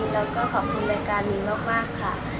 แล้วก็ขอบคุณรายการนี้มากค่ะ